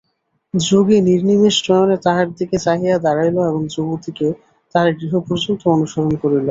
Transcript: যোগী নির্নিমেষ নয়নে তাহার দিকে চাহিয়া দাঁড়াইল এবং যুবতীকে তাহার গৃহ পর্যন্ত অনুসরণ করিল।